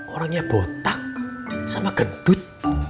orangnya botak sama gendut